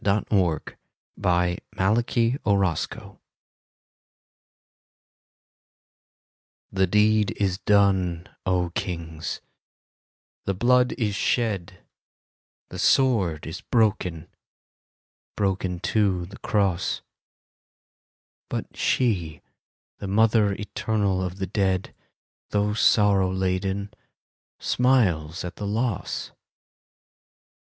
15 THE END AND THE BEGINNING The deed is done, O Kings: the blood is shed: The sword is broken:—broken, too, the Cross. But she, the mother eternal of the dead, Though sorrow laden, smiles at the loss.